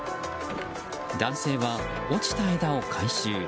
男性は落ちた枝を回収。